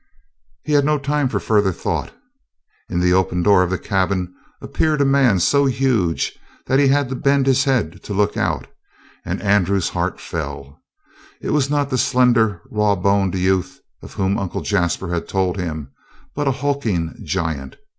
He had no time for further thought. In the open door of the cabin appeared a man so huge that he had to bend his head to look out, and Andrew's heart fell. It was not the slender, rawboned youth of whom Uncle Jasper had told him, but a hulking giant.